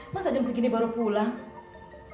masa jam segini baru pulang